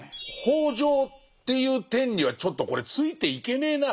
北条っていう天にはちょっとこれついていけねえな。